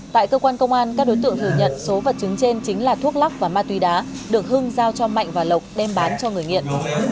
tại cơ quan công an các đối tượng thừa nhận số vật chứng trên chính là thuốc lắc và ma túy đá được hưng giao cho mạnh và lộc đem bán cho người nghiện